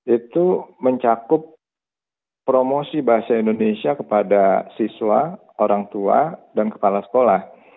itu mencakup promosi bahasa indonesia kepada siswa orang tua dan kepala sekolah